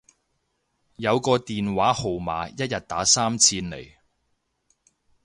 有個電話號碼一日打三次嚟